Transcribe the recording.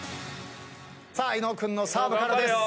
伊野尾君のサーブからです。